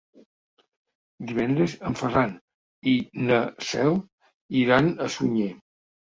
Divendres en Ferran i na Cel iran a Sunyer.